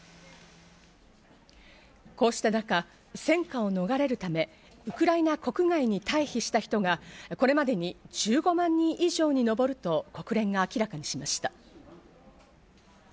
こうしたなか、戦火を逃れるためウクライナ国外に退避した人がこれまで１５万人以上に上ると、国連が明らかにしました。